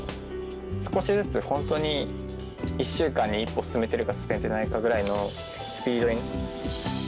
少しずつ本当に、１週間に一歩進めてるか進めてないかくらいのスピード。